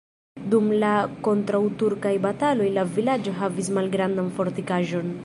Dum la kontraŭturkaj bataloj la vilaĝo havis malgrandan fortikaĵon.